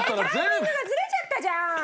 タイミングがずれちゃった！